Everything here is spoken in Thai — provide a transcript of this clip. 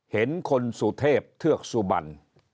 เห็นคนสุเทพเทือกสุบัน